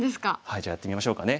じゃあやってみましょうかね。